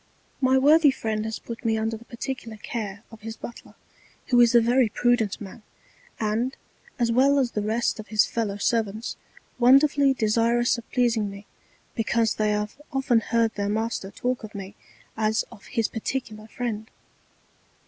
My worthy Friend has put me under the particular Care of his Butler, who is a very prudent Man, and, as well as the rest of his Fellow Servants, wonderfully desirous of pleasing me, because they have often heard their Master talk of me as of his particular Friend.